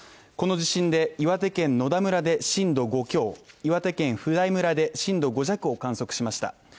この地震で、岩手県野田村で震度５強、岩手県普代村で震度５弱を観測しました。